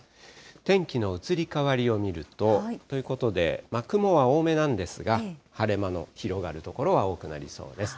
天気の移り変わりを見ると、ということで雲は多めなんですが、晴れ間の広がる所は多くなりそうです。